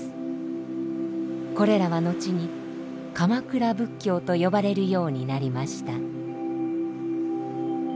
これらは後に鎌倉仏教と呼ばれるようになりました。